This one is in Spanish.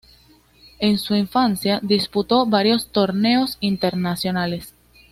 En su infancia, disputó varios torneos internacionales.